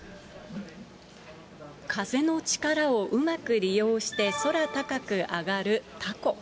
風の力をうまく利用して、空高く上がるたこ。